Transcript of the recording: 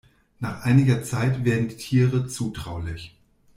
Nach einiger Zeit werden die Tiere zutraulich.